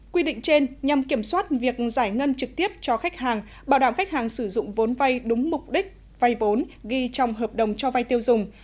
quy định trên nhằm kiểm soát việc giải ngân trực tiếp cho khách hàng bảo đảm khách hàng sử dụng vốn vay đúng mục đích vay vốn ghi trong hợp đồng cho vay tiêu dùng